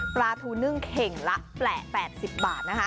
ปลาทูนึ่งเข่งละ๘๐บาทนะคะ